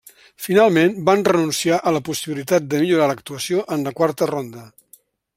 Finalment van renunciar a la possibilitat de millorar l'actuació en la quarta ronda.